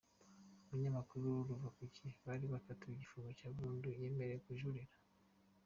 Umunyamakuru Ruvakuki bari bakatiye igifungo cya burundu yemerewe kujurira